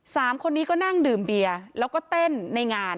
สามคนนี้ก็นั่งดื่มเบียร์แล้วก็เต้นในงาน